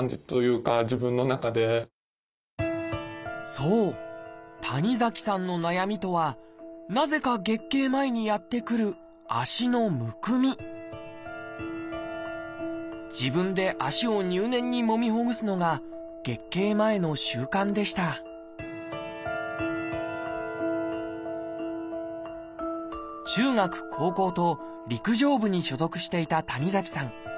そう谷崎さんの悩みとはなぜか月経前にやってくる自分で足を入念にもみほぐすのが月経前の習慣でした中学高校と陸上部に所属していた谷崎さん。